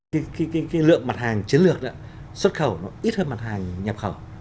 cái lượng mặt hàng chiến lược xuất khẩu nó ít hơn mặt hàng nhập khẩu